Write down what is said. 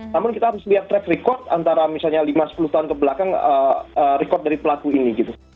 namun kita harus lihat track record antara misalnya lima sepuluh tahun kebelakang record dari pelaku ini gitu